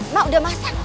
mak udah masak